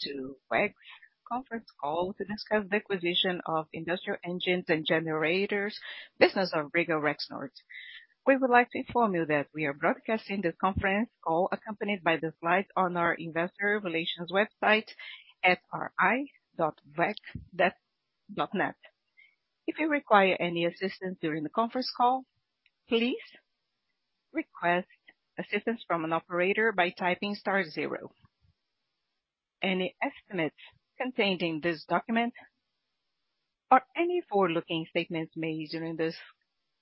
To WEG conference call to discuss the acquisition of industrial motors and generators business of Regal Rexnord. We would like to inform you that we are broadcasting this conference call accompanied by the slides on our investor relations website at ri.weg.net. If you require any assistance during the conference call, please request assistance from an operator by typing star zero. Any estimates contained in this document or any forward-looking statements made during this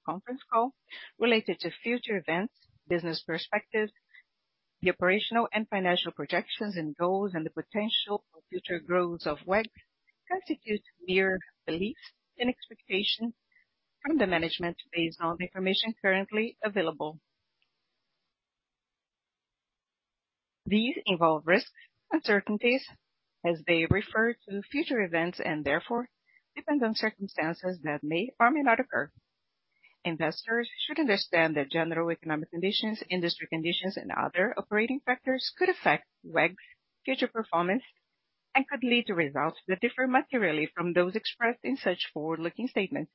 conference call related to future events, business perspectives, the operational and financial projections and goals, and the potential for future growth of WEG, constitute mere beliefs and expectations from the management, based on the information currently available. These involve risks, uncertainties, as they refer to future events, and therefore depend on circumstances that may or may not occur. Investors should understand that general economic conditions, industry conditions, and other operating factors could affect WEG's future performance and could lead to results that differ materially from those expressed in such forward-looking statements.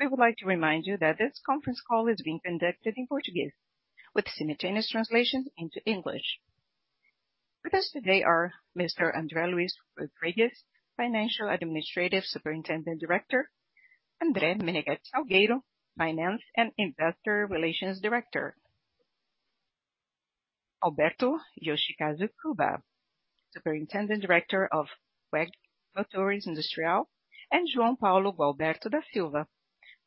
We would like to remind you that this conference call is being conducted in Portuguese with simultaneous translation into English. With us today are Mr. André Luís Rodrigues, Financial Administrative Superintendent Director, André Menegueti Salgueiro, Finance and Investor Relations Director, Alberto Yoshikazu Kuba, Superintendent Director of WEG Industrial, and João Paulo Gualberto da Silva,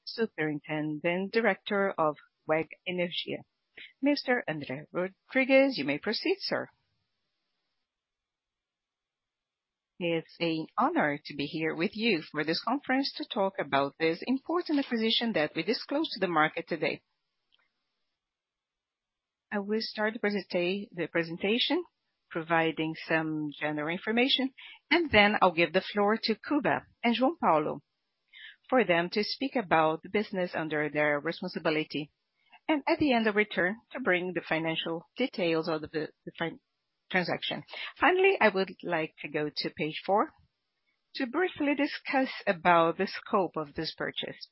Superintendent Director of WEG Energia. Mr. André Rodrigues, you may proceed, sir. It's an honor to be here with you for this conference to talk about this important acquisition that we disclose to the market today. I will start the presentation, providing some general information, and then I'll give the floor to Kuba and João Paulo, for them to speak about the business under their responsibility. At the end, I'll return to bring the financial details of the transaction. Finally, I would like to go to page 4 to briefly discuss about the scope of this purchase.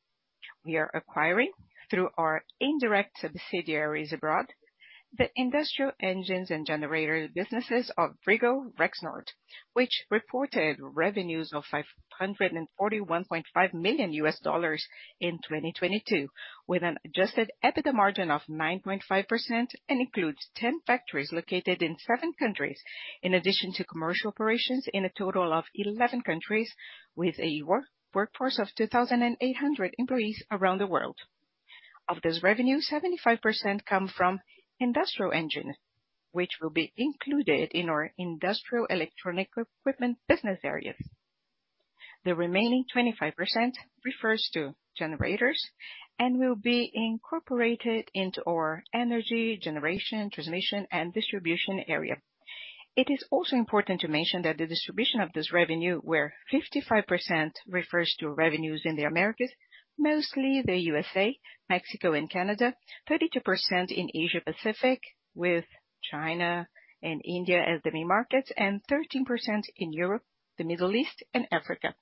We are acquiring, through our indirect subsidiaries abroad, the industrial motors and generators business of Regal Rexnord, which reported revenues of $541.5 million in 2022, with an adjusted EBITDA margin of 9.5%, and includes 10 factories located in 7 countries, in addition to commercial operations in a total of 11 countries, with a workforce of 2,800 employees around the world. Of this revenue, 75% come from industrial engine, which will be included in our industrial electronic equipment business areas. The remaining 25% refers to generators and will be incorporated into our energy generation, transmission, and distribution area. It is also important to mention that the distribution of this revenue, where 55% refers to revenues in the Americas, mostly the USA, Mexico, and Canada, 32% in Asia Pacific, with China and India as the main markets, and 13% in Europe, the Middle East, and Africa.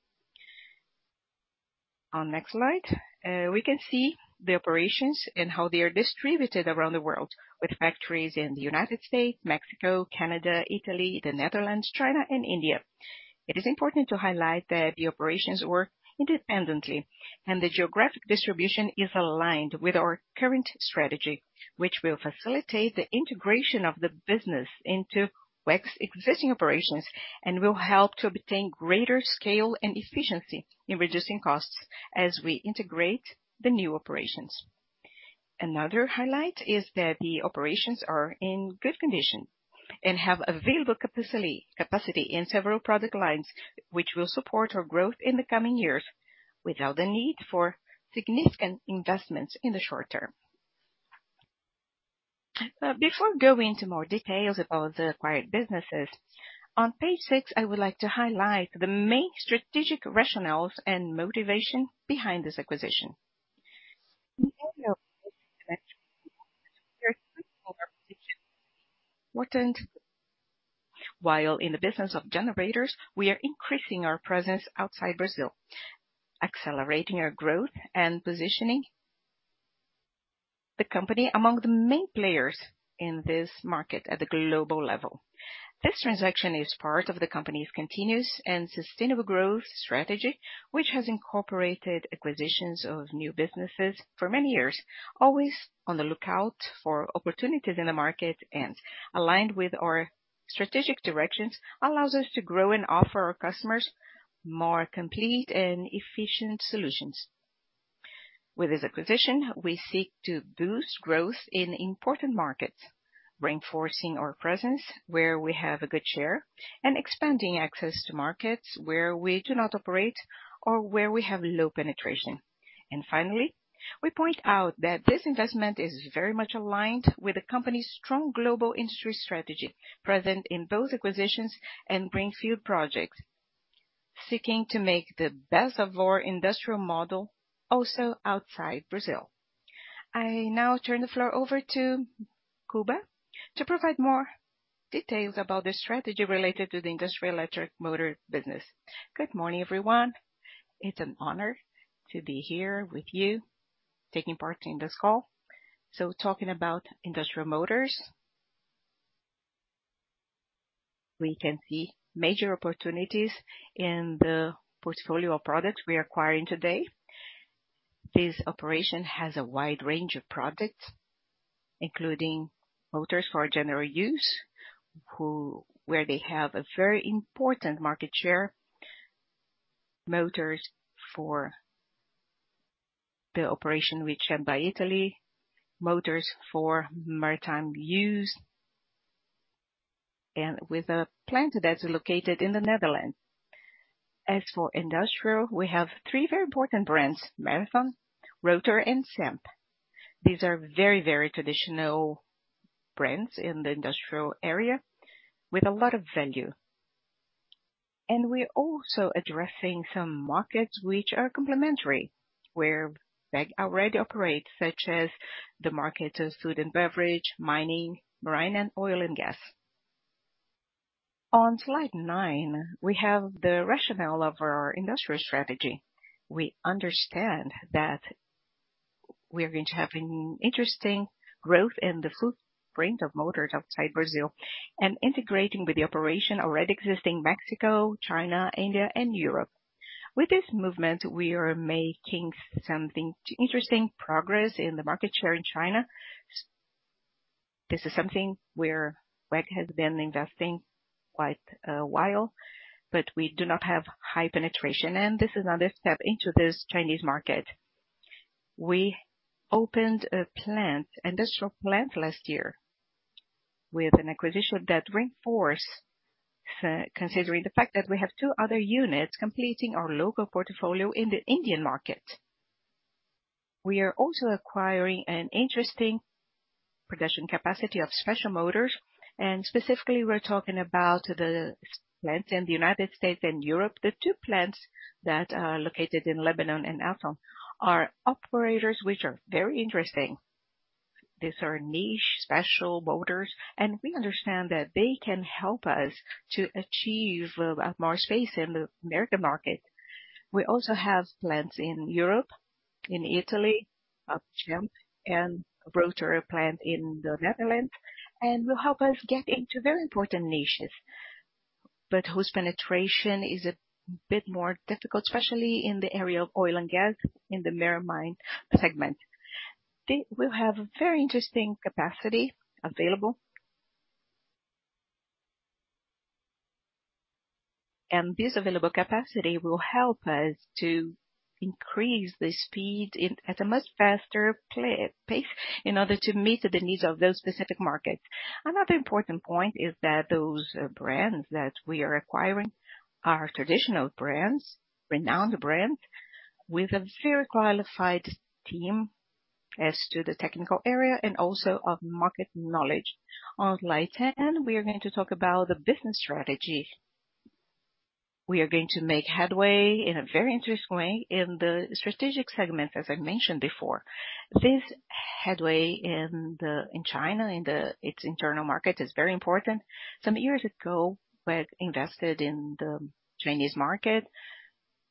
On next slide, we can see the operations and how they are distributed around the world, with factories in the United States, Mexico, Canada, Italy, the Netherlands, China, and India. It is important to highlight that the operations work independently, and the geographic distribution is aligned with our current strategy, which will facilitate the integration of the business into WEG's existing operations, and will help to obtain greater scale and efficiency in reducing costs as we integrate the new operations. Another highlight is that the operations are in good condition and have available capacity in several product lines, which will support our growth in the coming years without the need for significant investments in the short term. Before going into more details about the acquired businesses, on page six, I would like to highlight the main strategic rationales and motivation behind this acquisition. In an important area, while in the business of generators, we are increasing our presence outside Brazil, accelerating our growth and positioning the company among the main players in this market at the global level. This transaction is part of the company's continuous and sustainable growth strategy, which has incorporated acquisitions of new businesses for many years. Always on the lookout for opportunities in the market and aligned with our strategic directions, allows us to grow and offer our customers more complete and efficient solutions. With this acquisition, we seek to boost growth in important markets, reinforcing our presence where we have a good share, and expanding access to markets where we do not operate or where we have low penetration. Finally, we point out that this investment is very much aligned with the company's strong global industry strategy, present in both acquisitions and greenfield projects.... seeking to make the best of our industrial model also outside Brazil. I now turn the floor over to Kuba, to provide more details about the strategy related to the industrial electric motor business. Good morning, everyone. It's an honor to be here with you, taking part in this call. So talking about industrial motors, we can see major opportunities in the portfolio of products we are acquiring today. This operation has a wide range of products, including motors for general use, where they have a very important market share. Motors for the operation, which are by Italy, motors for maritime use, and with a plant that is located in the Netherlands. As for industrial, we have three very important brands, Marathon, Rotor, and CEMP. These are very, very traditional brands in the industrial area with a lot of value. And we're also addressing some markets which are complementary, where WEG already operates, such as the market of food and beverage, mining, marine, and oil and gas. On slide nine, we have the rationale of our industrial strategy. We understand that we are going to have an interesting growth in the footprint of motors outside Brazil, and integrating with the operation already existing Mexico, China, India, and Europe. With this movement, we are making something interesting progress in the market share in China. This is something where WEG has been investing quite a while, but we do not have high penetration, and this is another step into this Chinese market. We opened a plant, industrial plant last year, with an acquisition that reinforce, considering the fact that we have two other units completing our local portfolio in the Indian market. We are also acquiring an interesting production capacity of special motors, and specifically, we're talking about the plants in the United States and Europe. The two plants that are located in Lebanon and Wausau, are operators, which are very interesting. These are niche, special motors, and we understand that they can help us to achieve more space in the American market. We also have plants in Europe, in Italy, CEMP, and Rotor plant in the Netherlands, and will help us get into very important niches, but whose penetration is a bit more difficult, especially in the area of oil and gas, in the marine segment. They will have a very interesting capacity available. And this available capacity will help us to increase the speed at a much faster pace, in order to meet the needs of those specific markets. Another important point is that those brands that we are acquiring are traditional brands, renowned brands, with a very qualified team as to the technical area and also of market knowledge. On slide 10, we are going to talk about the business strategy. We are going to make headway in a very interesting way in the strategic segments, as I mentioned before. This headway in China, in its internal market, is very important. Some years ago, we had invested in the Chinese market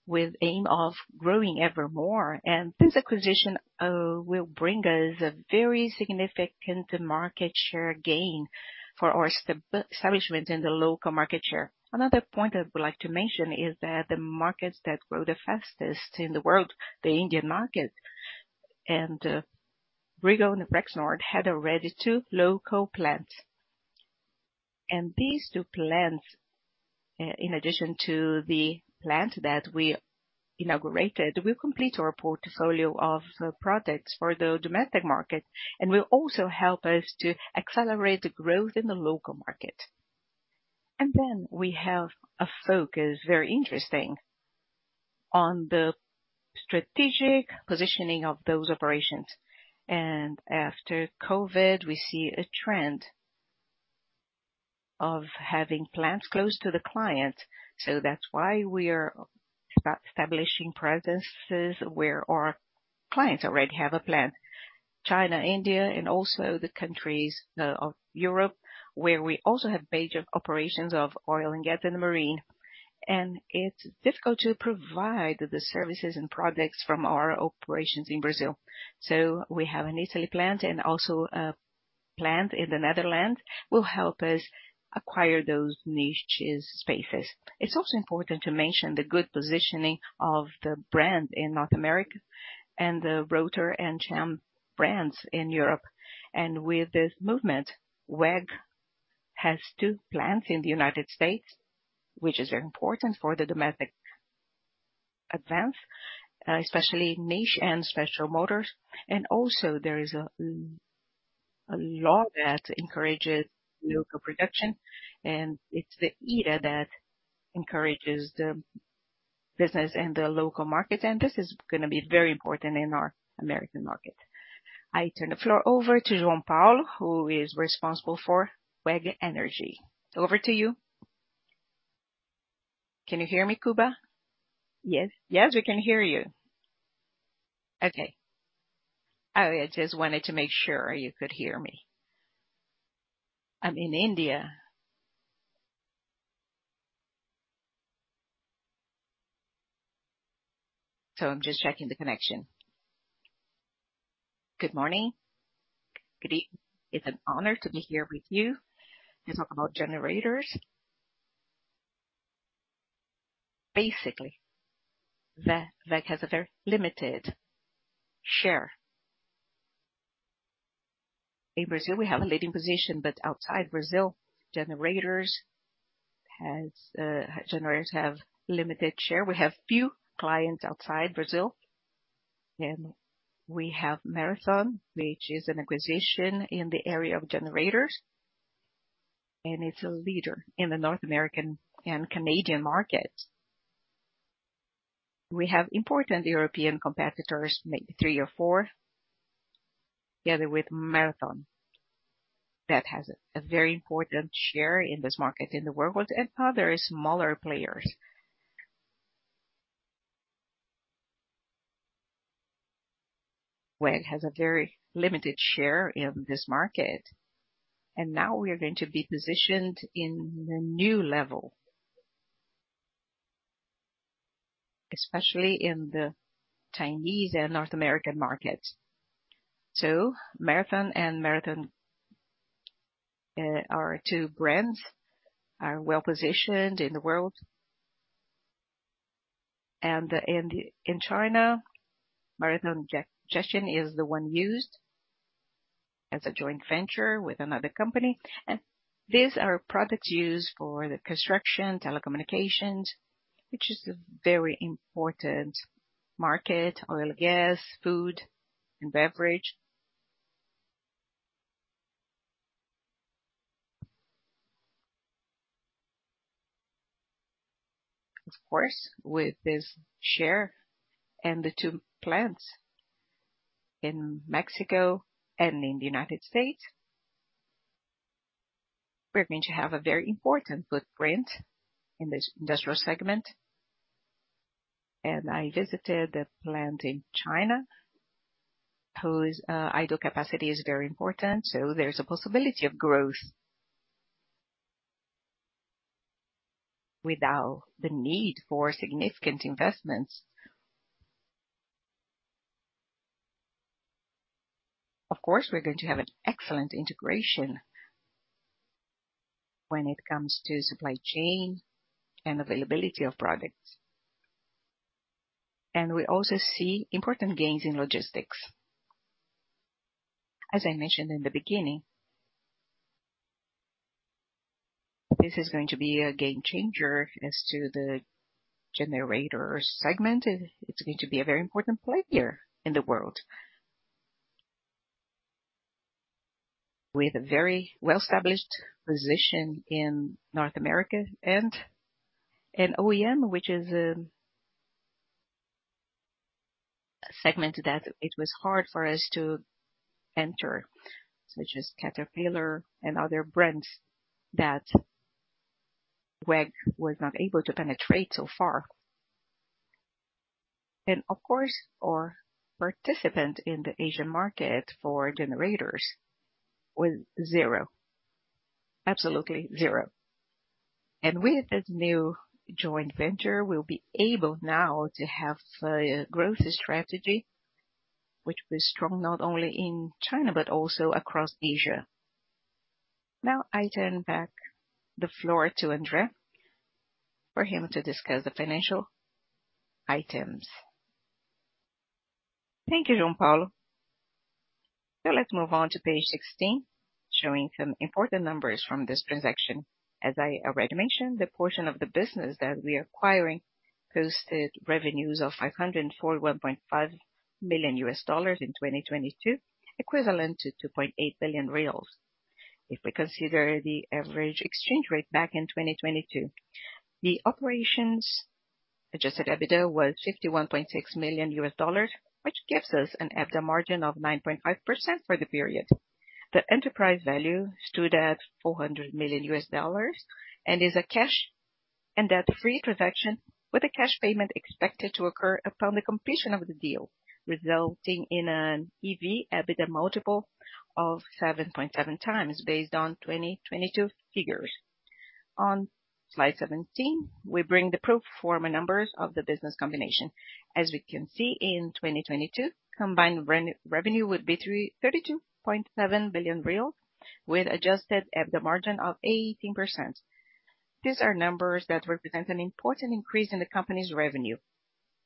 with aim of growing ever more, and this acquisition will bring us a very significant market share gain for our establishment in the local market share. Another point I would like to mention is that the markets that grow the fastest in the world, the Indian market, and WEG and Rexnord had already two local plants. And these two plants, in addition to the plant that we inaugurated, will complete our portfolio of products for the domestic market, and will also help us to accelerate the growth in the local market. And then we have a focus, very interesting, on the strategic positioning of those operations. After COVID, we see a trend of having plants close to the clients, so that's why we are establishing presences where our clients already have a plant. China, India, and also the countries of Europe, where we also have major operations of oil and gas and marine. And it's difficult to provide the services and products from our operations in Brazil. So we have an Italy plant and also a plant in the Netherlands, will help us acquire those niches spaces. It's also important to mention the good positioning of the brand in North America and the Rotor and CEMP brands in Europe. And with this movement, WEG has two plants in the United States, which is important for the domestic advance, especially niche and special motors. Also, there is a law that encourages local production, and it's the IRA that encourages the business and the local markets, and this is gonna be very important in our American market... I turn the floor over to João Paulo, who is responsible for WEG Energia. Over to you. Can you hear me, Kuba? Yes. Yes, we can hear you. Okay. I just wanted to make sure you could hear me. I'm in India. So I'm just checking the connection. Good morning. It's an honor to be here with you to talk about generators. Basically, WEG has a very limited share. In Brazil, we have a leading position, but outside Brazil, generators has, generators have limited share. We have few clients outside Brazil, and we have Marathon, which is an acquisition in the area of generators, and it's a leader in the North American and Canadian market. We have important European competitors, maybe three or four, together with Marathon, that has a very important share in this market, in the world, and other smaller players. WEG has a very limited share in this market, and now we are going to be positioned in a new level, especially in the Chinese and North American market. So Marathon and Marathon are two brands, are well-positioned in the world. And in China, Marathon Generator is the one used as a joint venture with another company. And these are products used for the construction, telecommunications, which is a very important market, oil and gas, food, and beverage. Of course, with this share and the two plants in Mexico and in the United States, we're going to have a very important footprint in this industrial segment. I visited the plant in China, whose idle capacity is very important, so there's a possibility of growth without the need for significant investments. Of course, we're going to have an excellent integration when it comes to supply chain and availability of products. We also see important gains in logistics. As I mentioned in the beginning, this is going to be a game changer as to the generator segment. It, it's going to be a very important player in the world. With a very well-established position in North America and in OEM, which is a segment that it was hard for us to enter, such as Caterpillar and other brands, that WEG was not able to penetrate so far. Of course, our participation in the Asian market for generators was zero, absolutely zero. With this new joint venture, we'll be able now to have a growth strategy, which was strong not only in China, but also across Asia. Now, I turn back the floor to André, for him to discuss the financial items. Thank you, João Paulo. Let's move on to page 16, showing some important numbers from this transaction. As I already mentioned, the portion of the business that we are acquiring posted revenues of $541.5 million in 2022, equivalent to 2.8 billion reais. If we consider the average exchange rate back in 2022, the operations adjusted EBITDA was $51.6 million, which gives us an EBITDA margin of 9.5% for the period. The enterprise value stood at $400 million and is a cash and debt-free transaction, with a cash payment expected to occur upon the completion of the deal, resulting in an EV/EBITDA multiple of 7.7x, based on 2022 figures. On slide 17, we bring the pro forma numbers of the business combination. As we can see, in 2022, combined revenue would be 32.7 billion real, with adjusted EBITDA margin of 18%. These are numbers that represent an important increase in the company's revenue,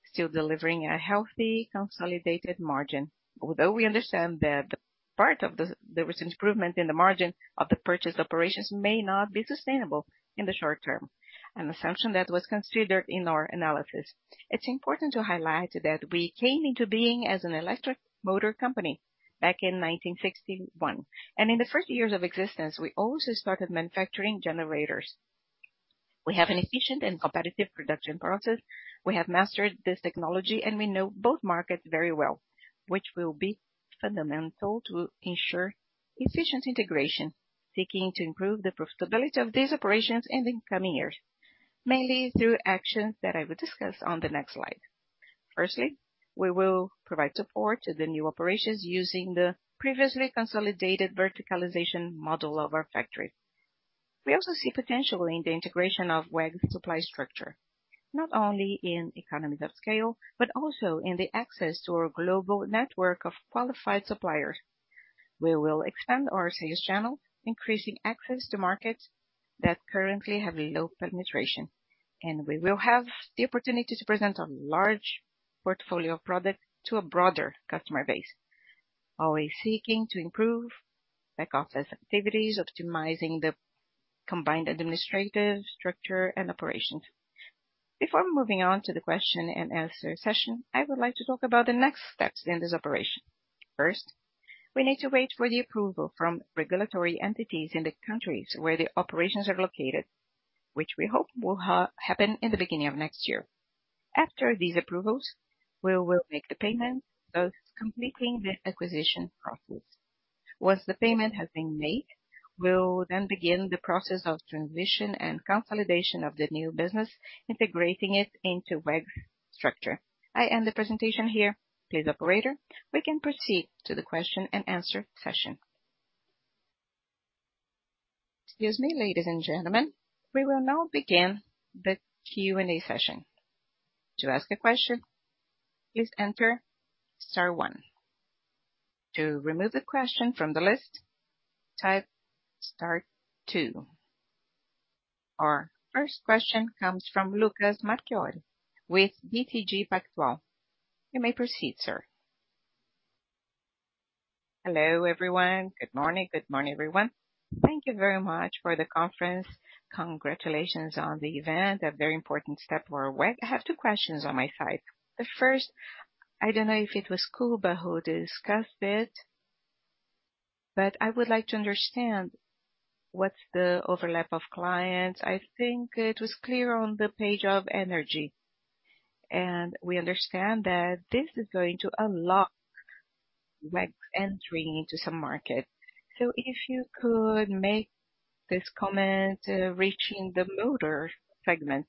still delivering a healthy, consolidated margin. Although we understand that part of this, there was an improvement in the margin of the purchased operations may not be sustainable in the short term, an assumption that was considered in our analysis. It's important to highlight that we came into being as an electric motor company back in 1961, and in the first years of existence, we also started manufacturing generators.... We have an efficient and competitive production process. We have mastered this technology, and we know both markets very well, which will be fundamental to ensure efficient integration, seeking to improve the profitability of these operations in the coming years, mainly through actions that I will discuss on the next slide. Firstly, we will provide support to the new operations using the previously consolidated verticalization model of our factory. We also see potential in the integration of WEG supply structure, not only in economies of scale, but also in the access to our global network of qualified suppliers. We will expand our sales channel, increasing access to markets that currently have low penetration, and we will have the opportunity to present a large portfolio of products to a broader customer base. Always seeking to improve back office activities, optimizing the combined administrative structure and operations. Before moving on to the Q&A session, I would like to talk about the next steps in this operation. First, we need to wait for the approval from regulatory entities in the countries where the operations are located, which we hope will happen in the beginning of next year. After these approvals, we will make the payment, thus completing the acquisition process. Once the payment has been made, we'll then begin the process of transition and consolidation of the new business, integrating it into WEG's structure. I end the presentation here. Please, operator, we can proceed to the Q&A session. Excuse me, ladies and gentlemen, we will now begin the Q&A session. To ask a question, please enter star one. To remove the question from the list, type star two. Our first question comes from Lucas Marquiori with BTG Pactual. You may proceed, sir. Hello, everyone. Good morning. Good morning, everyone. Thank you very much for the conference. Congratulations on the event, a very important step for WEG. I have two questions on my side. The first, I don't know if it was Kuba who discussed it, but I would like to understand what's the overlap of clients. I think it was clear on the WEG Energia, and we understand that this is going to unlock, like, entry into some market. So if you could make this comment, reaching the motor segment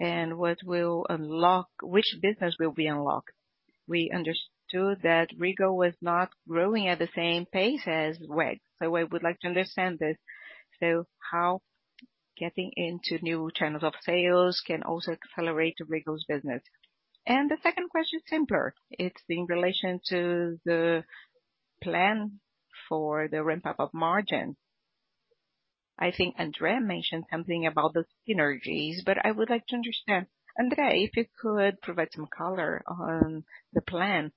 and what will unlock, which business will be unlocked? We understood that Regal was not growing at the same pace as WEG, so I would like to understand this. So how getting into new channels of sales can also accelerate Regal's business? And the second question is simpler. It's in relation to the plan for the ramp-up of margin. I think Andrea mentioned something about the synergies, but I would like to understand. Andrea, if you could provide some color on the plan.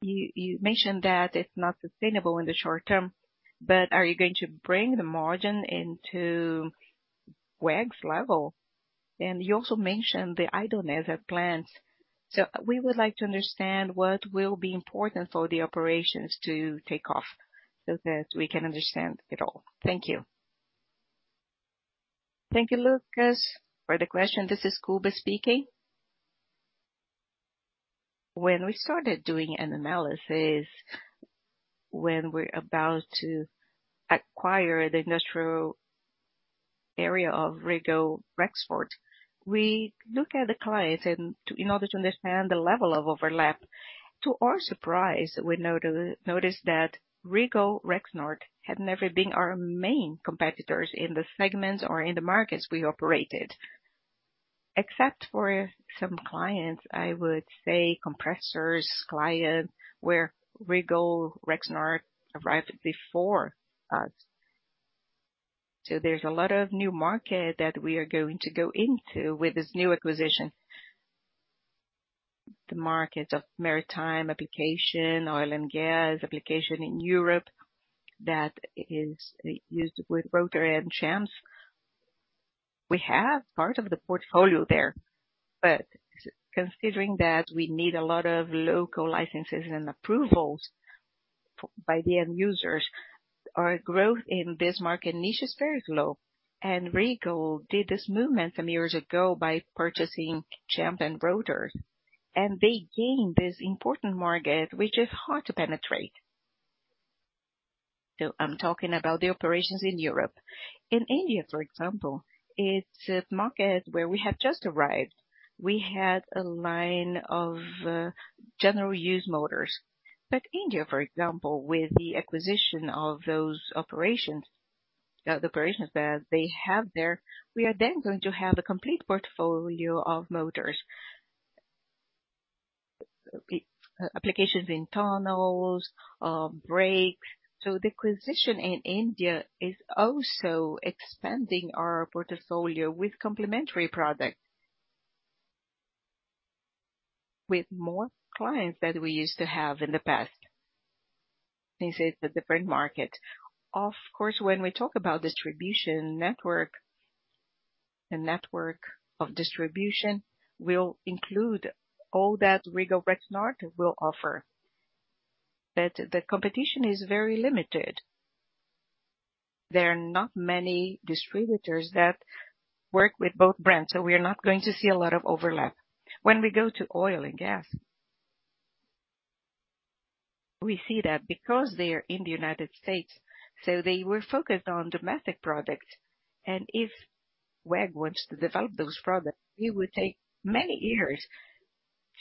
You mentioned that it's not sustainable in the short term, but are you going to bring the margin into WEG's level? And you also mentioned the idleness at plants. So we would like to understand what will be important for the operations to take off so that we can understand it all. Thank you. Thank you, Lucas, for the question. This is Kuba speaking. When we started doing analysis, when we're about to acquire the industrial area of Regal Rexnord, we look at the clients and to in order to understand the level of overlap. To our surprise, we noticed that Regal Rexnord had never been our main competitors in the segments or in the markets we operated. Except for some clients, I would say, compressors client, where Regal Rexnord arrived before us. So there's a lot of new market that we are going to go into with this new acquisition. The markets of maritime application, oil and gas application in Europe, that is used with Rotor and CEMP. We have part of the portfolio there, but considering that we need a lot of local licenses and approvals by the end users, our growth in this market niche is very low. Regal did this movement some years ago by purchasing CEMP and Rotor, and they gained this important market, which is hard to penetrate. So I'm talking about the operations in Europe. In India, for example, it's a market where we have just arrived. We had a line of general use motors. But India, for example, with the acquisition of those operations, the operations that they have there, we are then going to have a complete portfolio of motors. Applications in tunnels, brakes. So the acquisition in India is also expanding our portfolio with complementary products, with more clients than we used to have in the past. This is a different market. Of course, when we talk about distribution network, the network of distribution will include all that Regal Rexnord will offer.... That the competition is very limited. There are not many distributors that work with both brands, so we are not going to see a lot of overlap. When we go to oil and gas, we see that because they are in the United States, so they were focused on domestic products, and if WEG wants to develop those products, it would take many years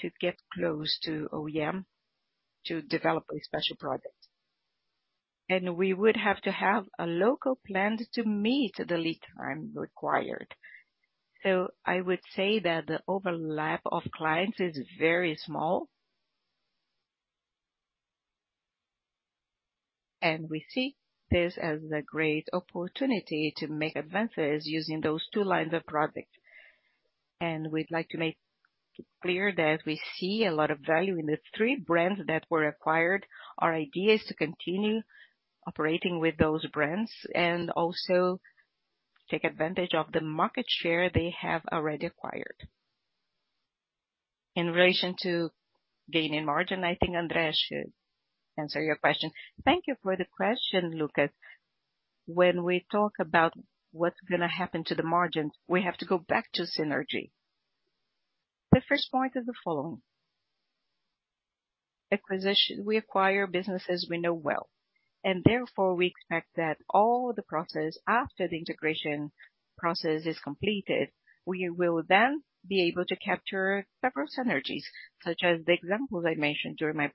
to get close to OEM to develop a special product. And we would have to have a local plant to meet the lead time required. So I would say that the overlap of clients is very small. And we see this as a great opportunity to make advances using those two lines of products. And we'd like to make clear that we see a lot of value in the three brands that were acquired. Our idea is to continue operating with those brands and also take advantage of the market share they have already acquired. In relation to gain in margin, I think André should answer your question. Thank you for the question, Lucas. When we talk about what's gonna happen to the margins, we have to go back to synergy. The first point is the following: acquisition: we acquire businesses we know well, and therefore, we expect that all the process, after the integration process is completed, we will then be able to capture several synergies, such as the examples I mentioned during my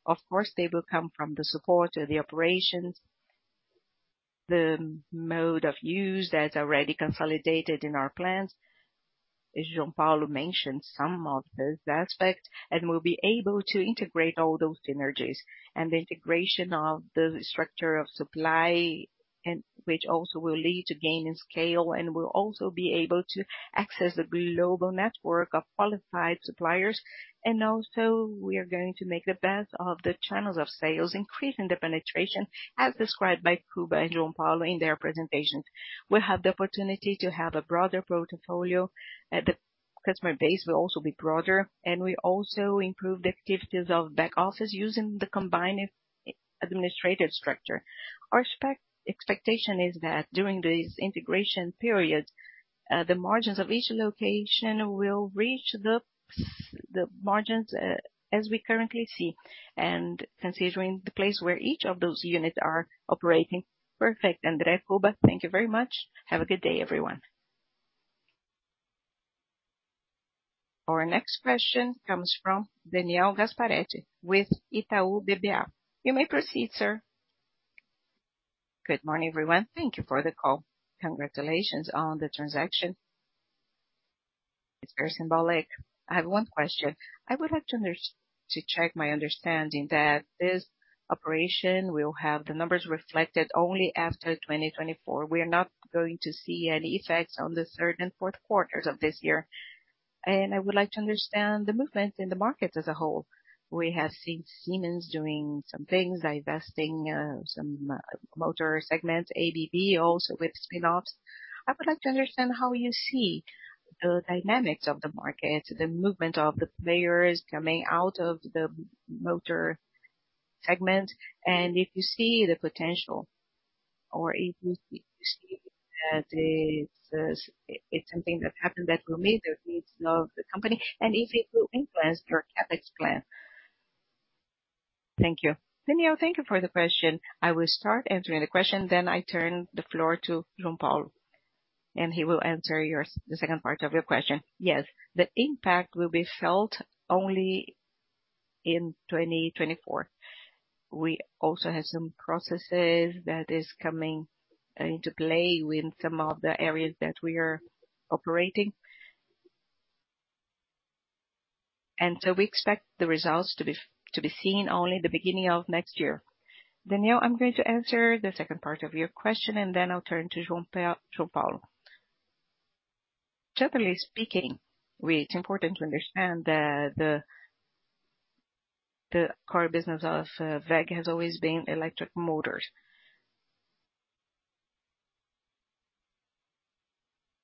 presentation. Of course, they will come from the support of the operations, the mode of use that's already consolidated in our plans, as João Paulo mentioned some of those aspects, and we'll be able to integrate all those synergies. The integration of the structure of supply, which also will lead to gain and scale, and we'll also be able to access the global network of qualified suppliers. Also, we are going to make the best of the channels of sales, increasing the penetration, as described by Kuba and João Paulo in their presentations. We'll have the opportunity to have a broader portfolio, the customer base will also be broader, and we also improve the activities of back office using the combined administrative structure. Our expectation is that during this integration period, the margins of each location will reach the margins, as we currently see, and considering the place where each of those units are operating. Perfect, Andre, Kuba, thank you very much. Have a good day, everyone. Our next question comes from Daniel Gasparete, with Itaú BBA. You may proceed, sir. Good morning, everyone. Thank you for the call. Congratulations on the transaction. It's very symbolic. I have one question. I would like to check my understanding that this operation will have the numbers reflected only after 2024. We are not going to see any effects on the third and Q4s of this year. And I would like to understand the movement in the market as a whole. We have seen Siemens doing some things, divesting some motor segments, ABB also with spin-offs. I would like to understand how you see the dynamics of the market, the movement of the players coming out of the motor segment, and if you see the potential or if you, you see that it's, it's something that happened that will meet the needs of the company, and if it will influence your CapEx plan. Thank you. Daniel, thank you for the question. I will start answering the question, then I turn the floor to João Paulo, and he will answer the second part of your question. Yes, the impact will be felt only in 2024. We also have some processes that is coming into play with some of the areas that we are operating. And so we expect the results to be to be seen only the beginning of next year. Daniel, I'm going to answer the second part of your question, and then I'll turn to João Paulo. Generally speaking, it's important to understand that the core business of WEG has always been electric motors.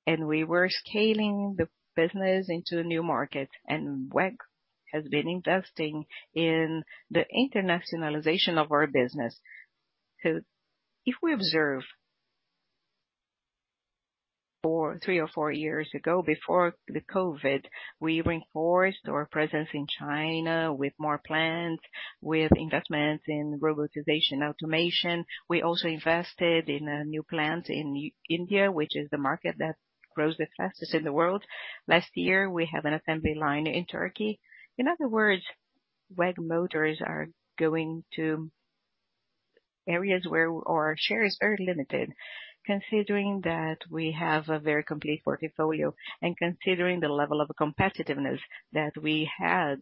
And we were scaling the business into new markets, and WEG has been investing in the internationalization of our business. So if we observe... Three or four years ago, before the COVID, we reinforced our presence in China with more plants, with investments in robotization automation. We also invested in new plants in India, which is the market that grows the fastest in the world. Last year, we have an assembly line in Turkey. In other words, WEG Motors are going to areas where our shares are limited, considering that we have a very complete portfolio and considering the level of competitiveness that we had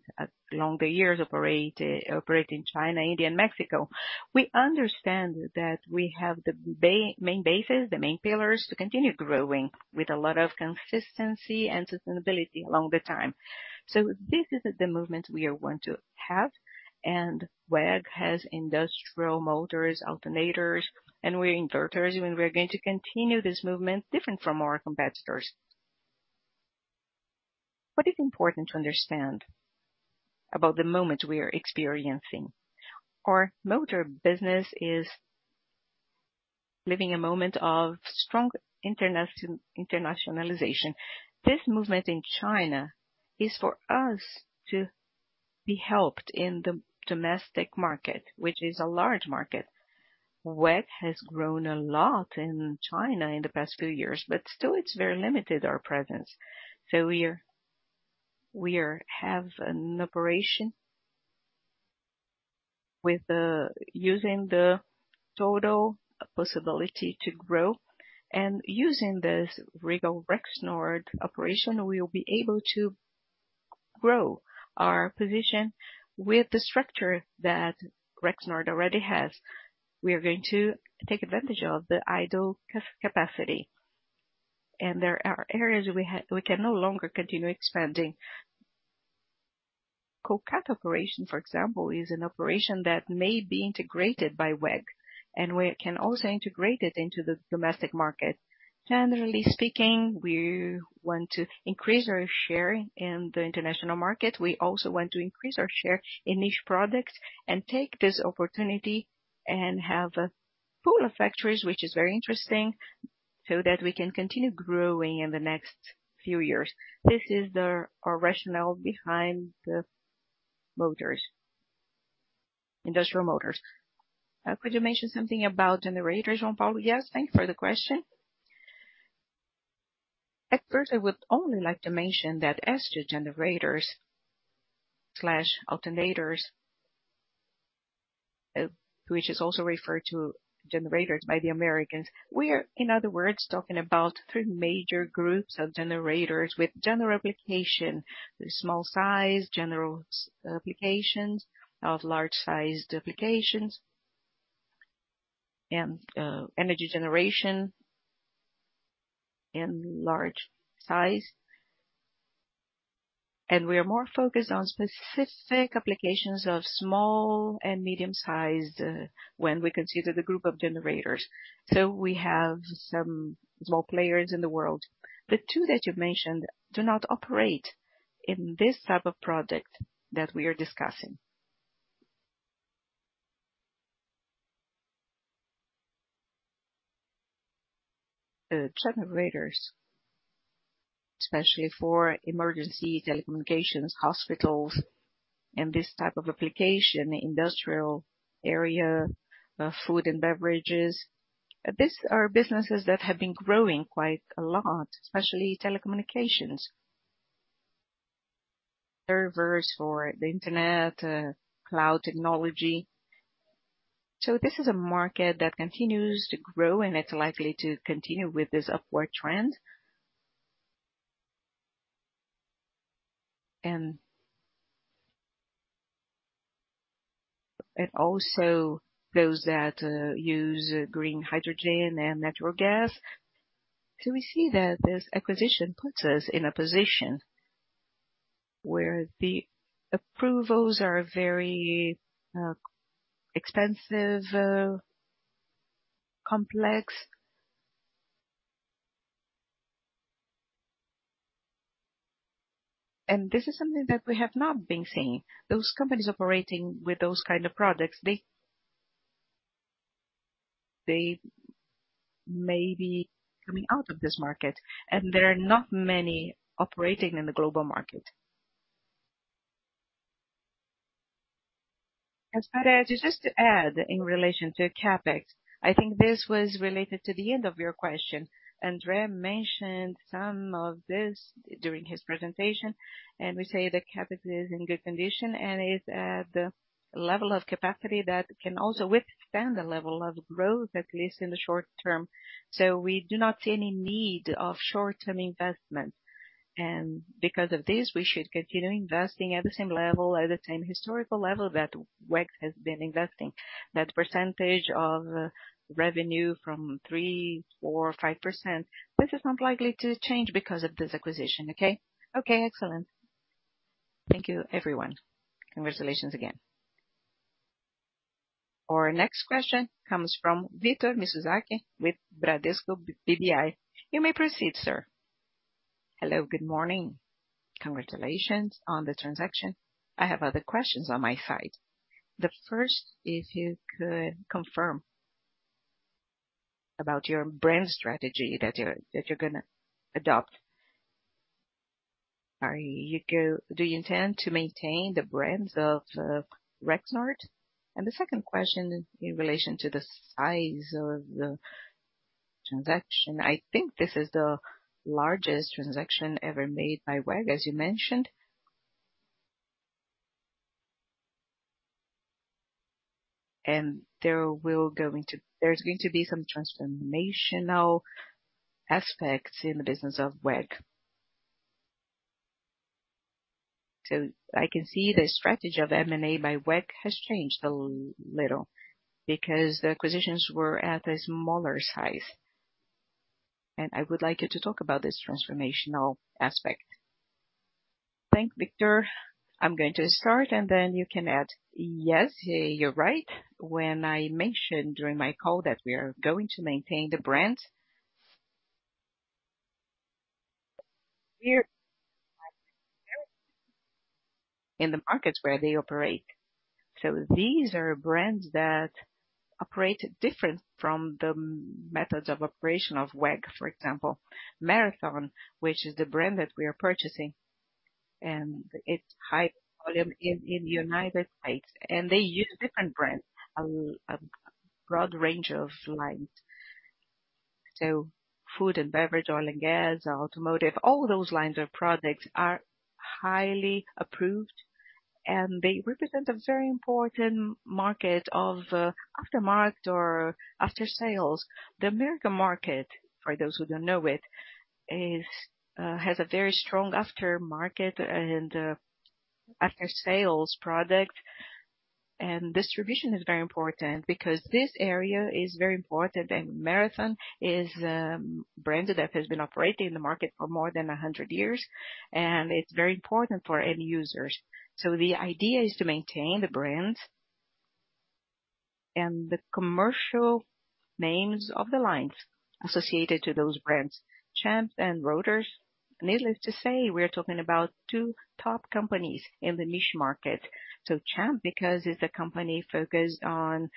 along the years, operate in China, India, and Mexico. We understand that we have the main basis, the main pillars to continue growing with a lot of consistency and sustainability along the time. So this is the movement we are going to have, and WEG has industrial motors, alternators, and inverters, and we're going to continue this movement different from our competitors. What is important to understand about the moment we are experiencing, our motor business is living a moment of strong internationalization. This movement in China is for us to be helped in the domestic market, which is a large market. WEG has grown a lot in China in the past few years, but still it's very limited, our presence. So we have an operation using the total possibility to grow and using this Regal Rexnord operation, we will be able to grow our position with the structure that Rexnord already has. We are going to take advantage of the idle capacity, and there are areas we can no longer continue expanding. Kolkata operation, for example, is an operation that may be integrated by WEG, and we can also integrate it into the domestic market. Generally speaking, we want to increase our share in the international market. We also want to increase our share in niche products and take this opportunity and have a pool of factories, which is very interesting, so that we can continue growing in the next few years. This is our rationale behind the motors, industrial motors. Could you mention something about generators, João Paulo? Yes, thank you for the question. At first, I would only like to mention that as to generators slash alternators, which is also referred to generators by the Americans. We are, in other words, talking about three major groups of generators with general application, the small size, general, applications of large-sized applications and, energy generation and large size. And we are more focused on specific applications of small and medium-sized, when we consider the group of generators. So we have some small players in the world. The two that you mentioned do not operate in this type of product that we are discussing. Generators, especially for emergency telecommunications, hospitals, and this type of application, industrial area, food and beverages. These are businesses that have been growing quite a lot, especially telecommunications. Servers for the internet, cloud technology. So this is a market that continues to grow, and it's likely to continue with this upward trend. And also those that use green hydrogen and natural gas. So we see that this acquisition puts us in a position where the approvals are very expensive, complex. And this is something that we have not been seeing. Those companies operating with those kind of products, they, they may be coming out of this market, and there are not many operating in the global market. Espiridião, just to add, in relation to CapEx, I think this was related to the end of your question. André mentioned some of this during his presentation, and we say the CapEx is in good condition and is at the level of capacity that can also withstand the level of growth, at least in the short term. So we do not see any need of short-term investments, and because of this, we should continue investing at the same level, at the same historical level, that WEG has been investing. That percentage of revenue from 3, 4, or 5%, this is not likely to change because of this acquisition. Okay? Okay, excellent. Thank you, everyone. Congratulations again. Our next question comes from Victor Mizusaki with Bradesco BBI. You may proceed, sir. Hello, good morning. Congratulations on the transaction. I have other questions on my side. The first, if you could confirm about your brand strategy that you're, that you're gonna adopt. Do you intend to maintain the brands of Rexnord? And the second question in relation to the size of the transaction, I think this is the largest transaction ever made by WEG, as you mentioned. There's going to be some transformational aspects in the business of WEG. So I can see the strategy of M&A by WEG has changed a little, because the acquisitions were at a smaller size. And I would like you to talk about this transformational aspect.... Thanks, Victor. I'm going to start, and then you can add. Yes, you're right. When I mentioned during my call that we are going to maintain the brand, we're in the markets where they operate. So these are brands that operate different from the methods of operation of WEG, for example. Marathon, which is the brand that we are purchasing, and it's high volume in United States, and they use different brands, a broad range of lines. So food and beverage, oil and gas, automotive, all those lines of products are highly approved, and they represent a very important market of aftermarket or after sales. The American market, for those who don't know it, has a very strong after market and after sales product. Distribution is very important because this area is very important, and Marathon is branded that has been operating in the market for more than 100 years, and it's very important for end users. So the idea is to maintain the brands and the commercial names of the lines associated to those brands. CEMP and Rotor, needless to say, we're talking about two top companies in the niche market. So CEMP, because it's a company focused on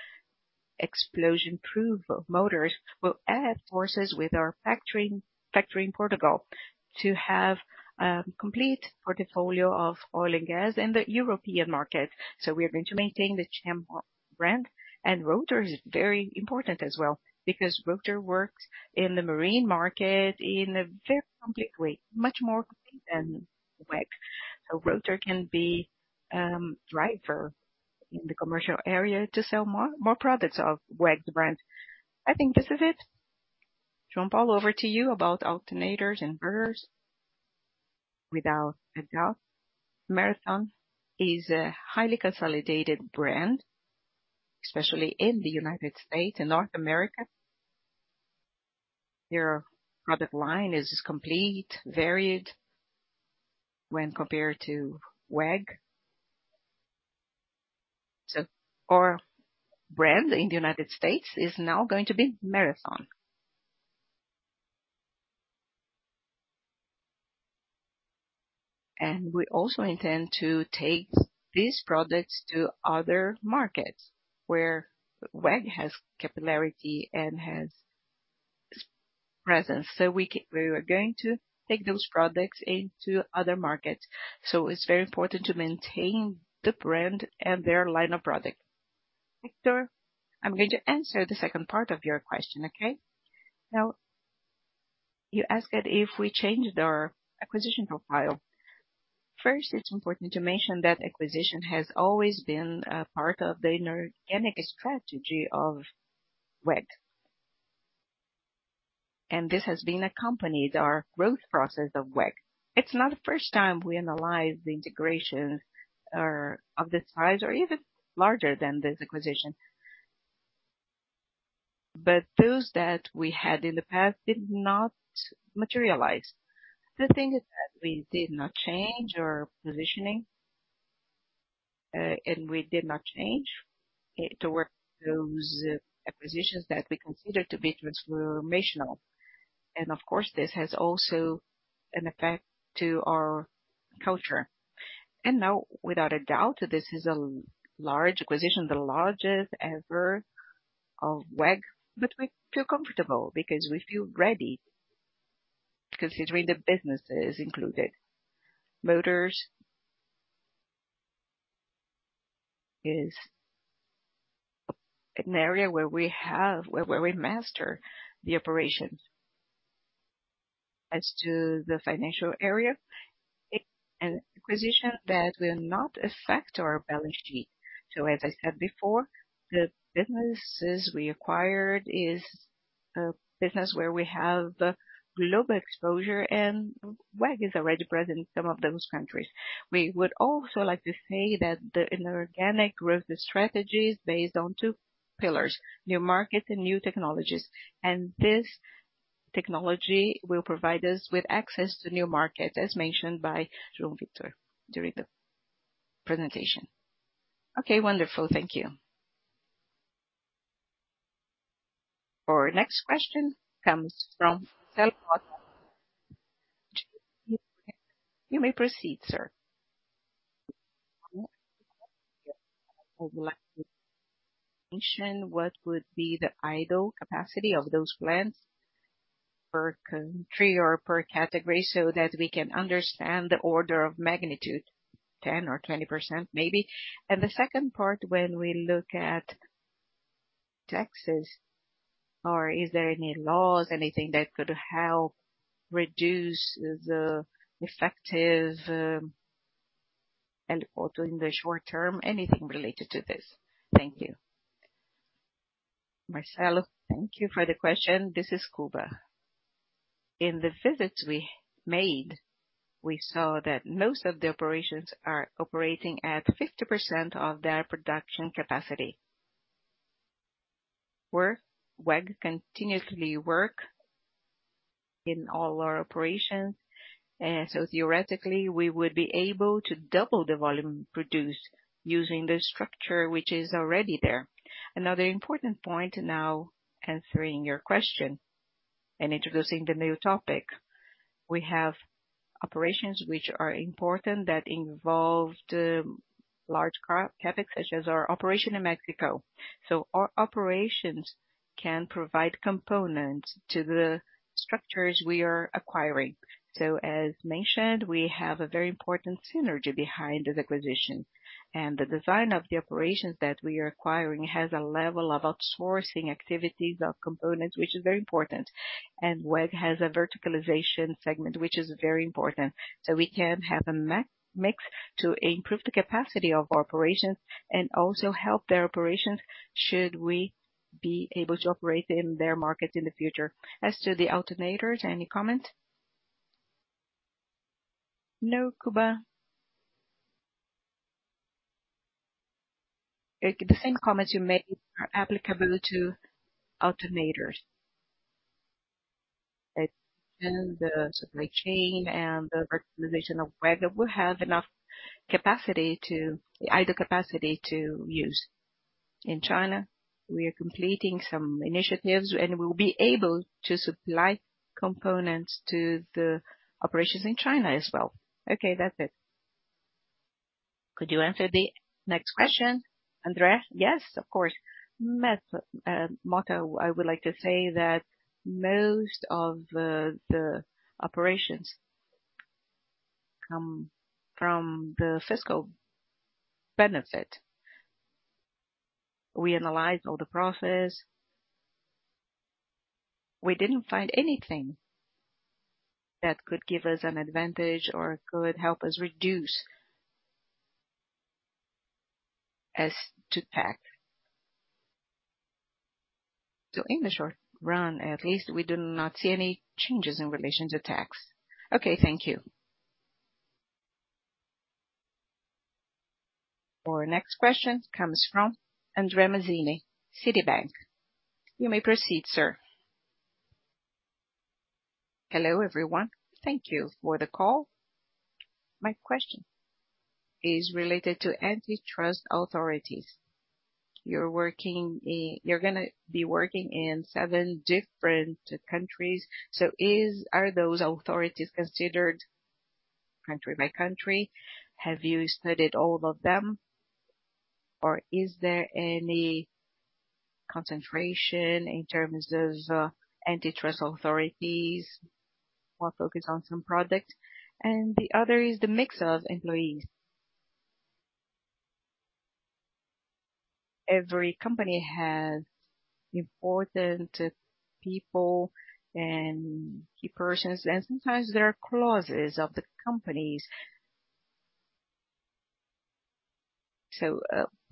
explosion-proof motors, will add forces with our factory in Portugal to have complete portfolio of oil and gas in the European market. So we are going to maintain the CEMP brand. Rotor is very important as well, because Rotor works in the marine market in a very complete way, much more complete than WEG. So Rotor can be driver in the commercial area to sell more products of WEG brand. I think this is it. João Paulo, over to you about alternators and inverters. Without a doubt, Marathon is a highly consolidated brand, especially in the United States and North America. Their product line is complete, varied when compared to WEG. So our brand in the United States is now going to be Marathon. And we also intend to take these products to other markets where WEG has capillarity and has presence. So we are going to take those products into other markets. So it's very important to maintain the brand and their line of product. Victor, I'm going to answer the second part of your question. Okay? Now, you asked that if we changed our acquisition profile. First, it's important to mention that acquisition has always been a part of the inorganic strategy of WEG. This has been accompanied our growth process of WEG. It's not the first time we analyze the integration or of the size or even larger than this acquisition. But those that we had in the past did not materialize. The thing is that we did not change our positioning, and we did not change it to work those acquisitions that we considered to be transformational. Of course, this has also an effect to our culture. Now, without a doubt, this is a large acquisition, the largest ever of WEG. But we feel comfortable because we feel ready, considering the businesses included. Motors is an area where we master the operations. As to the financial area, an acquisition that will not affect our LHD. So as I said before, the businesses we acquired is a business where we have global exposure, and WEG is already present in some of those countries. We would also like to say that the inorganic growth strategy is based on two pillars: new markets and new technologies. This technology will provide us with access to new markets, as mentioned by João Victor during the presentation. Okay, wonderful. Thank you. Our next question comes from Marcelo. You may proceed, sir. What would be the idle capacity of those plants per country or per category, so that we can understand the order of magnitude, 10% or 20%, maybe? The second part, when we look at taxes, or is there any laws, anything that could help reduce the effective, and also in the short term, anything related to this? Thank you. Marcelo, thank you for the question. This is Kuba. In the visits we made, we saw that most of the operations are operating at 50% of their production capacity. We work, WEG continuously work in all our operations. And so theoretically, we would be able to double the volume produced using the structure which is already there. Another important point, now, answering your question and introducing the new topic, we have operations which are important that involved large CapEx, such as our operation in Mexico. So our operations can provide components to the structures we are acquiring. So as mentioned, we have a very important synergy behind this acquisition, and the design of the operations that we are acquiring has a level of outsourcing activities of components, which is very important. And WEG has a verticalization segment, which is very important. So we can have a mix to improve the capacity of our operations and also help their operations, should we be able to operate in their market in the future. As to the alternators, any comment? No, Kuba. The same comments you made are applicable to alternators. And the supply chain and the verticalization of WEG, we have enough capacity to the idle capacity to use. In China, we are completing some initiatives, and we will be able to supply components to the operations in China as well. Okay, that's it. Could you answer the next question, André? Yes, of course. Marco, I would like to say that most of the operations come from the fiscal benefit. We analyzed all the process. We didn't find anything that could give us an advantage or could help us reduce as to tax. So in the short run, at least, we do not see any changes in relation to tax. Okay, thank you. Our next question comes from André Mazini, Citibank. You may proceed, sir. Hello, everyone. Thank you for the call. My question is related to antitrust authorities. You're working in—you're gonna be working in seven different countries. So is... Are those authorities considered country by country? Have you studied all of them, or is there any concentration in terms of antitrust authorities, more focused on some products? And the other is the mix of employees. Every company has important people and key persons, and sometimes there are clauses of the companies. So,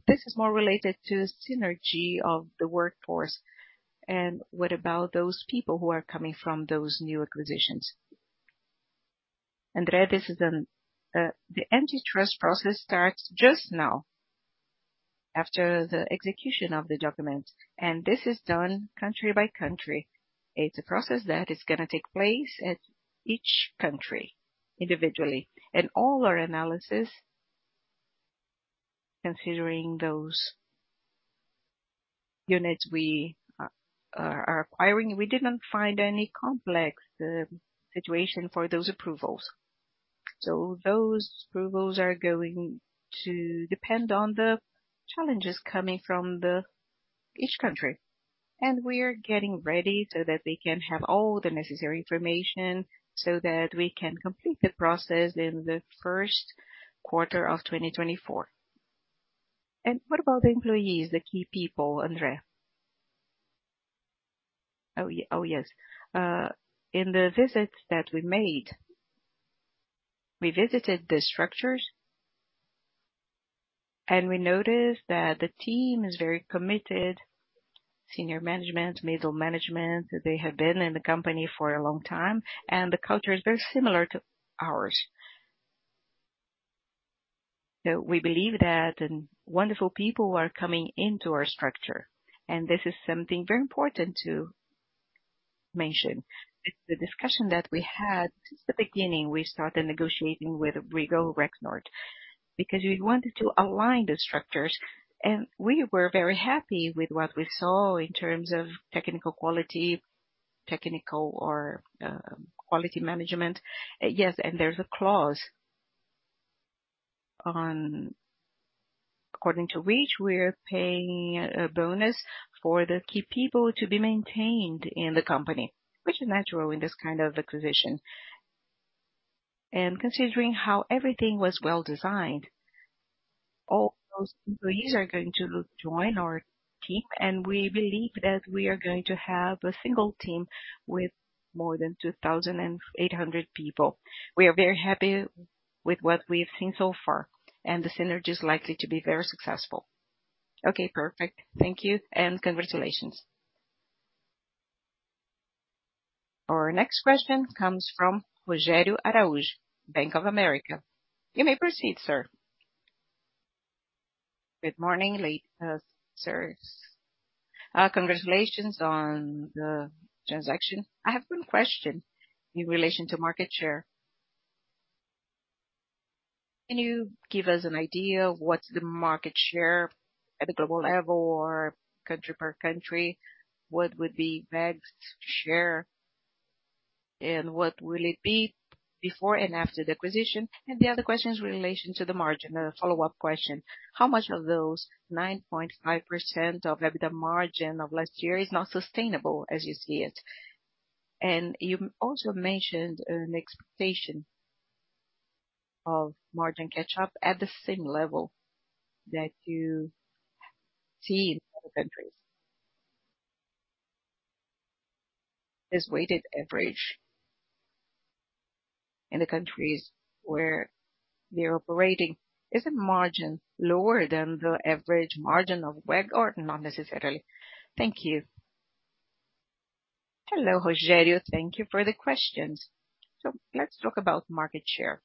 this is more related to synergy of the workforce. And what about those people who are coming from those new acquisitions? André, this is an. The antitrust process starts just now, after the execution of the document, and this is done country by country. It's a process that is gonna take place at each country, individually, and all our analysis, considering those units we are acquiring, we didn't find any complex situation for those approvals. So those approvals are going to depend on the challenges coming from the each country. And we are getting ready so that we can have all the necessary information, so that we can complete the process in the Q1 of 2024. And what about the employees, the key people, André? Oh, yes. In the visits that we made, we visited the structures, and we noticed that the team is very committed, senior management, middle management, they have been in the company for a long time, and the culture is very similar to ours. So we believe that, and wonderful people are coming into our structure, and this is something very important to mention. The discussion that we had, since the beginning, we started negotiating with Regal Rexnord, because we wanted to align the structures, and we were very happy with what we saw in terms of technical quality, technical quality management. Yes, and there's a clause according to which we're paying a bonus for the key people to be maintained in the company, which is natural in this kind of acquisition. Considering how everything was well designed, all those employees are going to join our team, and we believe that we are going to have a single team with more than 2,800 people. We are very happy with what we've seen so far, and the synergy is likely to be very successful. Okay, perfect. Thank you and congratulations. Our next question comes from Rogério Araújo, Bank of America. You may proceed, sir. Good morning, sirs. Congratulations on the transaction. I have one question in relation to market share. Can you give us an idea of what's the market share at the global level or country per country? What would be WEG's share, and what will it be before and after the acquisition? And the other question is in relation to the margin, a follow-up question. How much of those 9.5% of EBITDA margin of last year is not sustainable as you see it? And you also mentioned an expectation of margin catch-up at the same level that you see in other countries. This weighted average in the countries where they're operating, is the margin lower than the average margin of WEG or not necessarily? Thank you. Hello, Rogério. Thank you for the questions. So let's talk about market share.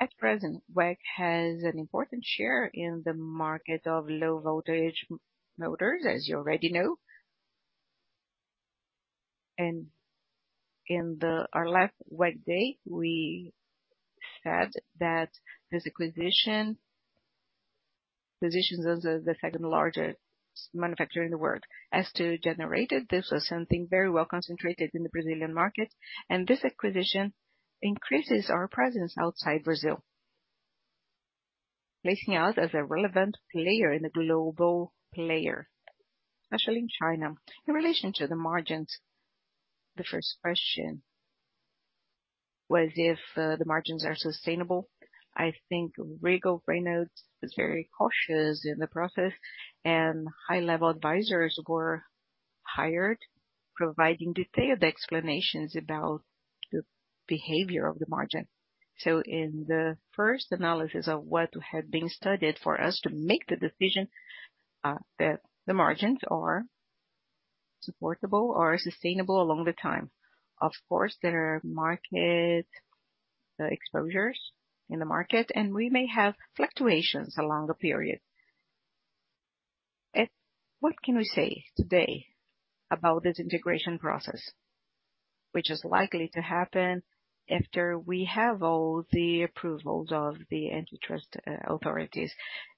At present, WEG has an important share in the market of low voltage motors, as you already know. And in our last WEG day, we said that this acquisition positions us as the second largest manufacturer in the world. As to generated, this was something very well concentrated in the Brazilian market, and this acquisition increases our presence outside Brazil, placing us as a relevant player and a global player, especially in China. In relation to the margins, the first question was if, the margins are sustainable. I think Regal Rexnord was very cautious in the process, and high-level advisors were hired, providing detailed explanations about the behavior of the margin. So in the first analysis of what had been studied for us to make the decision, that the margins are supportable or sustainable along the time. Of course, there are market exposures in the market, and we may have fluctuations along the period. What can we say today about this integration process, which is likely to happen after we have all the approvals of the antitrust authorities,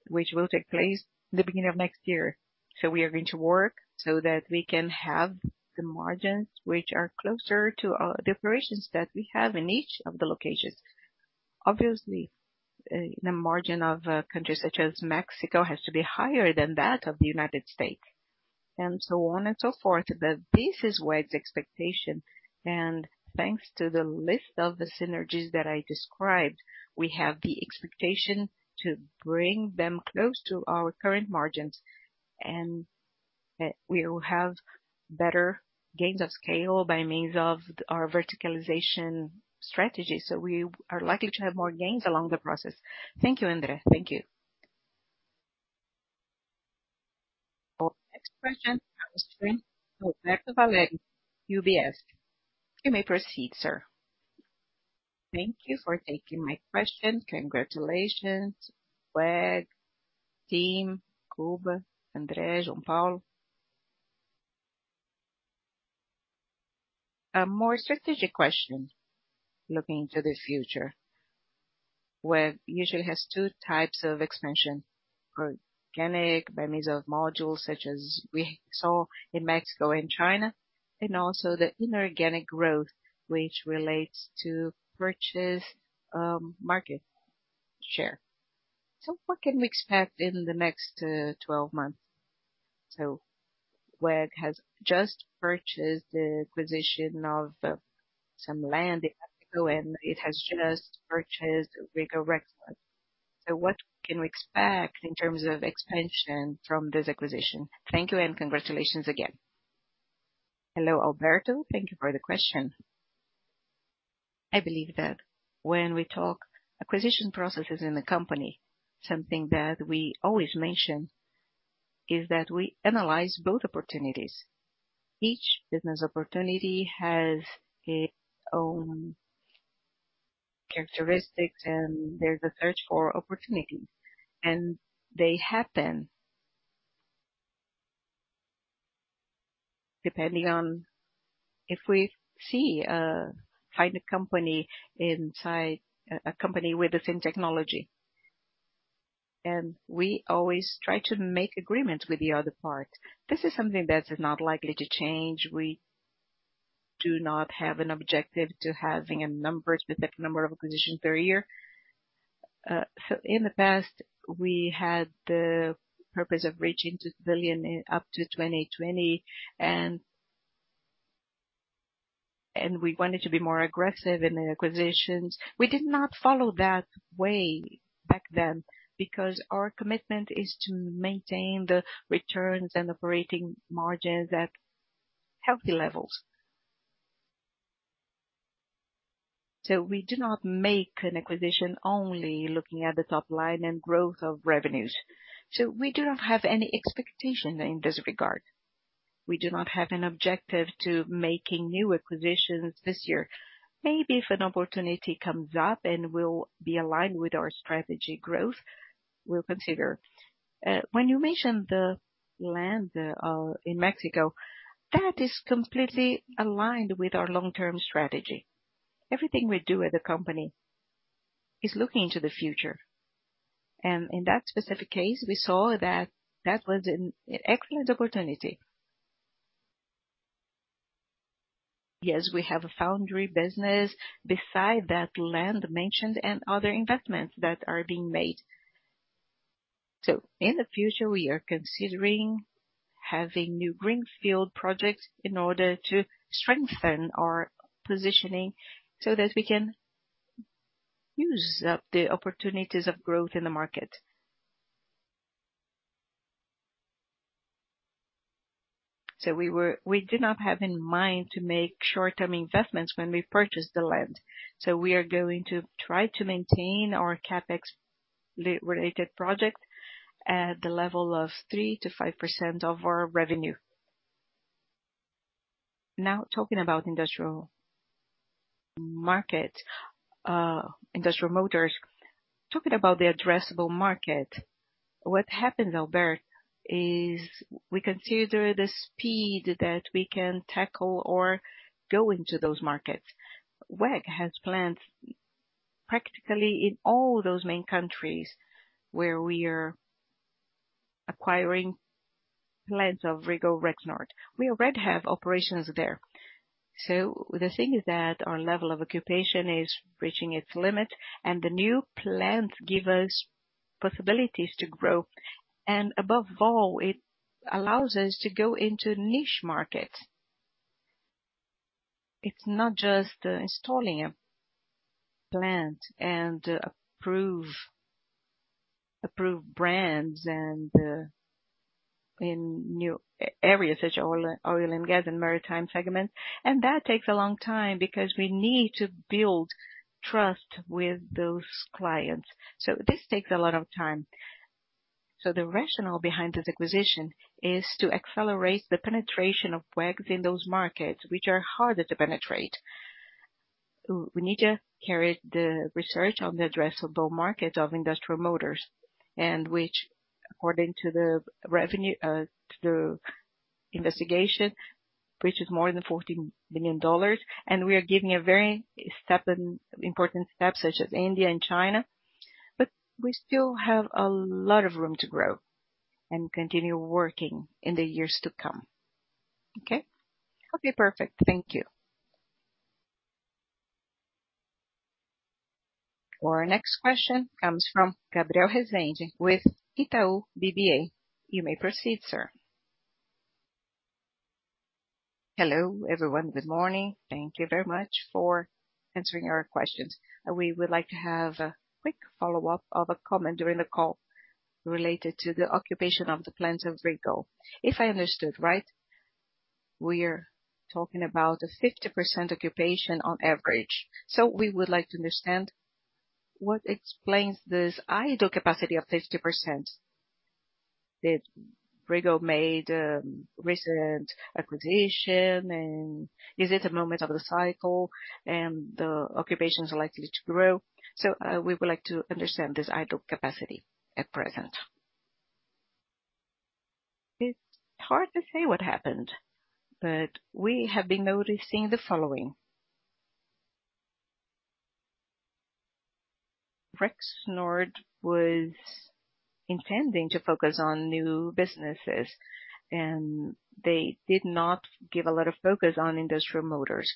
which will take place the beginning of next year? So we are going to work so that we can have the margins, which are closer to, the operations that we have in each of the locations. Obviously, the margin of a country such as Mexico has to be higher than that of the United States, and so on and so forth. But this is WEG's expectation, and thanks to the list of the synergies that I described, we have the expectation to bring them close to our current margins, and, we will have better gains of scale by means of our verticalization strategy. So we are likely to have more gains along the process. Thank you, Andre. Thank you. Our next question from Alberto Valerio, UBS. You may proceed, sir. Thank you for taking my question. Congratulations, WEG team, Kuba, André, João Paulo. A more strategic question looking into the future. WEG usually has two types of expansion: organic, by means of modules, such as we saw in Mexico and China, and also the inorganic growth, which relates to purchase market share. So what can we expect in the next 12 months? So WEG has just purchased the acquisition of some land in Mexico, and it has just purchased Regal Rexnord. So what can we expect in terms of expansion from this acquisition? Thank you, and congratulations again. Hello, Alberto. Thank you for the question. I believe that when we talk acquisition processes in the company, something that we always mention is that we analyze both opportunities. Each business opportunity has its own characteristics, and there's a search for opportunities. They happen depending on if we see, find a company inside, a company with the same technology, and we always try to make agreements with the other party. This is something that is not likely to change. We do not have an objective to having a numbers, specific number of acquisitions per year. In the past, we had the purpose of reaching 2 billion, up to 2020 and, and we wanted to be more aggressive in the acquisitions. We did not follow that way back then, because our commitment is to maintain the returns and operating margins at healthy levels. We do not make an acquisition only looking at the top line and growth of revenues. We do not have any expectation in this regard. We do not have an objective to making new acquisitions this year. Maybe if an opportunity comes up and will be aligned with our strategy growth, we'll consider. When you mentioned the land in Mexico, that is completely aligned with our long-term strategy. Everything we do at the company is looking to the future, and in that specific case, we saw that that was an excellent opportunity. Yes, we have a foundry business beside that land mentioned and other investments that are being made. So in the future, we are considering having new greenfield projects in order to strengthen our positioning, so that we can use up the opportunities of growth in the market. So we were—we do not have in mind to make short-term investments when we purchase the land, so we are going to try to maintain our CapEx related project at the level of 3%-5% of our revenue. Now, talking about industrial market, industrial motors. Talking about the addressable market, what happened, Alberto, is we consider the speed that we can tackle or go into those markets. WEG has plants practically in all those main countries where we are acquiring plants of Regal Rexnord. We already have operations there. So the thing is that our level of occupation is reaching its limit, and the new plants give us possibilities to grow, and above all, it allows us to go into niche markets. It's not just installing a plant and approve brands and in new areas such as oil and gas and maritime segments, and that takes a long time because we need to build trust with those clients. So this takes a lot of time. So the rationale behind this acquisition is to accelerate the penetration of WEG's in those markets, which are harder to penetrate. We need to carry the research on the addressable markets of industrial motors, and which, according to the revenue, to the investigation, reaches more than $14 billion. And we are giving a very important step, such as India and China, but we still have a lot of room to grow and continue working in the years to come. Okay? Hope you're perfect. Thank you. Our next question comes from Gabriel Rezende with Itaú BBA. You may proceed, sir. Hello, everyone. Good morning. Thank you very much for answering our questions. We would like to have a quick follow-up of a comment during the call related to the occupation of the plants of Rotor. If I understood right, we are talking about a 50% occupation on average. So we would like to understand what explains this idle capacity of 50%. Did Rotor made recent acquisition, and is it a moment of the cycle and the occupation is likely to grow? So we would like to understand this idle capacity at present. It's hard to say what happened, but we have been noticing the following: Regal Rexnord was intending to focus on new businesses, and they did not give a lot of focus on industrial motors.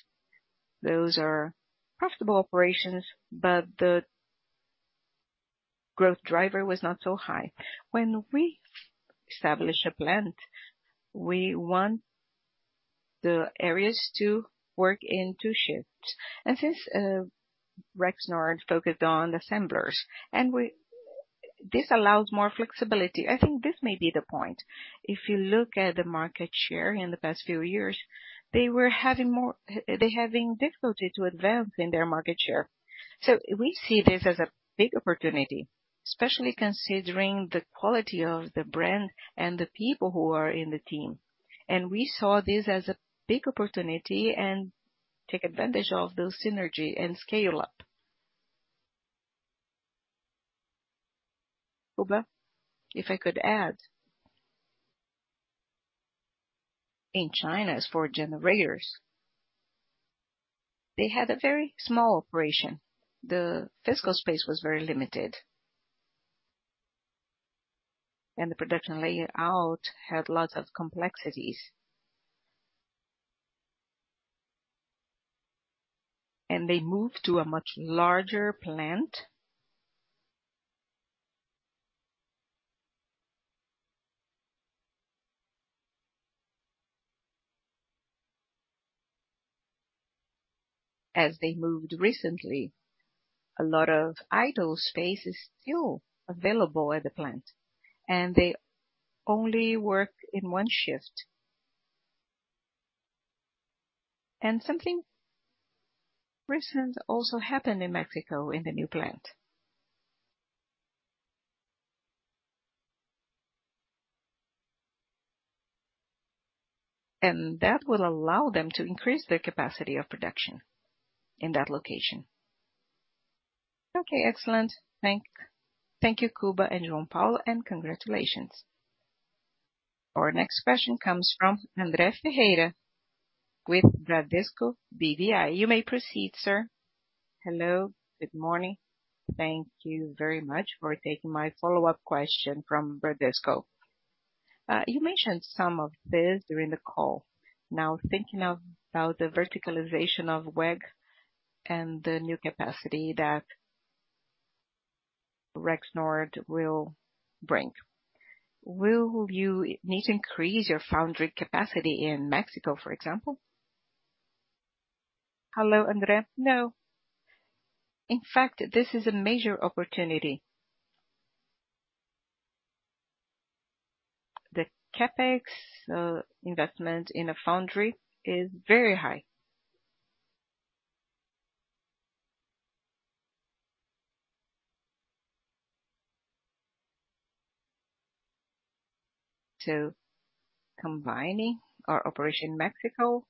Those are profitable operations, but the growth driver was not so high. When we establish a plant, we want the areas to work in two shifts, and since Rexnord focused on assemblers and we -- this allows more flexibility. I think this may be the point. If you look at the market share in the past few years, they were having more -- they're having difficulty to advance in their market share. So we see this as a big opportunity, especially considering the quality of the brand and the people who are in the team. And we saw this as a big opportunity and take advantage of those synergy and scale up. Kuba, if I could add. In China, as for generators, they had a very small operation. The physical space was very limited. And the production layout had lots of complexities. And they moved to a much larger plant. As they moved recently, a lot of idle space is still available at the plant, and they only work in one shift. Something recent also happened in Mexico, in the new plant. And that will allow them to increase their capacity of production in that location. Okay, excellent. Thank you, Kuba and João Paulo, and congratulations. Our next question comes from André Ferreira with Bradesco BBI. You may proceed, sir. Hello, good morning. Thank you very much for taking my follow-up question from Bradesco. You mentioned some of this during the call. Now, thinking about the verticalization of WEG and the new capacity that Rexnord will bring, will you need to increase your foundry capacity in Mexico, for example? Hello, Andre. No. In fact, this is a major opportunity. The CapEx investment in a foundry is very high. So combining our operation in Mexico,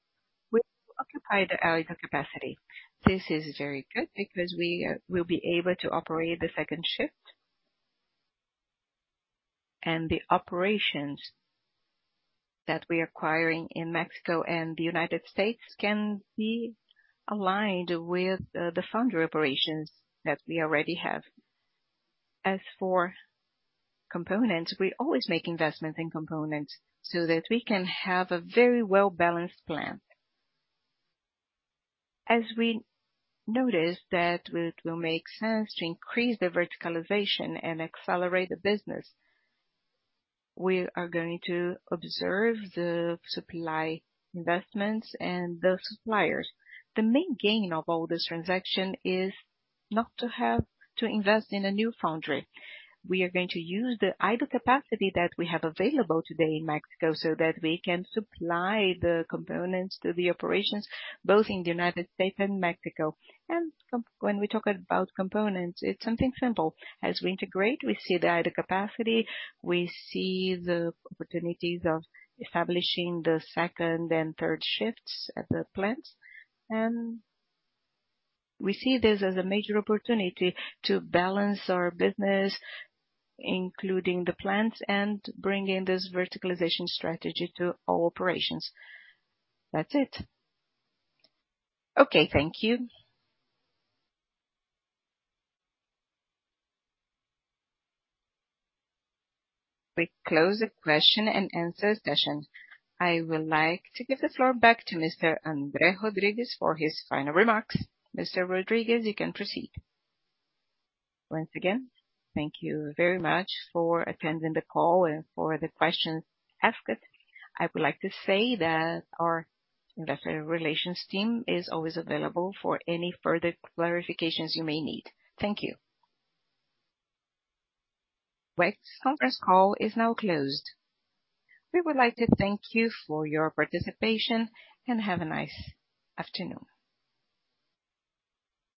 we occupy the idle capacity. This is very good because we will be able to operate the second shift. And the operations that we're acquiring in Mexico and the United States can be aligned with the foundry operations that we already have. As for components, we always make investments in components so that we can have a very well-balanced plan. As we notice that it will make sense to increase the verticalization and accelerate the business, we are going to observe the supply investments and the suppliers. The main gain of all this transaction is not to have to invest in a new foundry. We are going to use the idle capacity that we have available today in Mexico, so that we can supply the components to the operations, both in the United States and Mexico. When we talk about components, it's something simple. As we integrate, we see the idle capacity, we see the opportunities of establishing the second and third shifts at the plant, and we see this as a major opportunity to balance our business, including the plants, and bring in this verticalization strategy to all operations. That's it. Okay, thank you. We close the Q&A session. I would like to give the floor back to Mr. André Rodrigues for his final remarks. Mr. Rodrigues, you can proceed. Once again, thank you very much for attending the call and for the questions asked. I would like to say that our investor relations team is always available for any further clarifications you may need. Thank you. WEG's conference call is now closed. We would like to thank you for your participation, and have a nice afternoon.